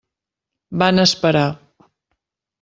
Van esperar.